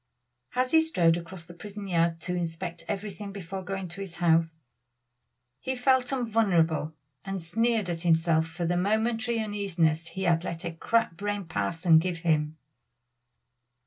As he strode across the prison yard to inspect everything before going to his house, he felt invulnerable and sneered at himself for the momentary uneasiness he had let a crack brained parson give him.